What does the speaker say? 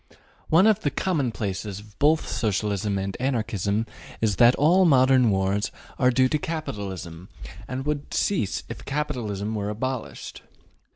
One of the commonplaces of both Socialism and Anarchism is that all modern wars are due to capitalism, and would cease if capitalism were abolished.